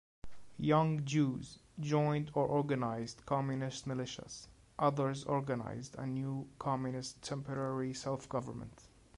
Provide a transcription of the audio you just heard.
Young Jews joined or organized communist militias, others organized a new, communist, temporary self-government.